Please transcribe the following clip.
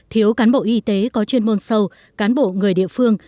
thiếu cán bộ y tế có chuyên môn sâu cán bộ người địa phương